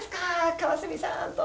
川澄さん」と。